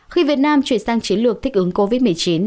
khi việt nam chuyển sang chiến lược thích ứng covid một mươi chín